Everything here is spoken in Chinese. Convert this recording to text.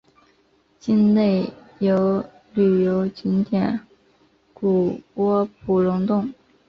境内有旅游景点谷窝普熔洞。